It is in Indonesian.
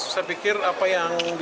saya pikir apa yang akan terjadi